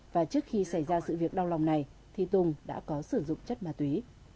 và trước khi xảy ra sự việc đau lòng này thì tùng đã có sử dụng chất ma túy